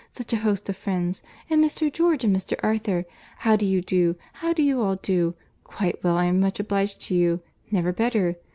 —Such a host of friends!—and Mr. George and Mr. Arthur!—How do you do? How do you all do?—Quite well, I am much obliged to you. Never better.